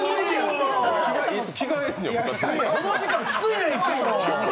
この時間、きついねん、いつも！